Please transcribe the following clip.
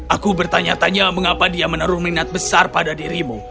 aku bertanya tanya mengapa dia menaruh minat besar pada dirimu